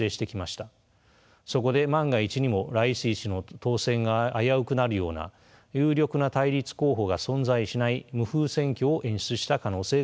そこで万が一にもライシ師の当選が危うくなるような有力な対立候補が存在しない無風選挙を演出した可能性があります。